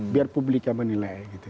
biar publika menilai